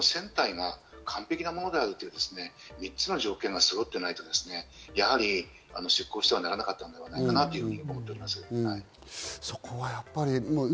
また船体が完璧なものであるという３つの条件がそろっていないと、やはり出航してはならなかったんではないかなと思います。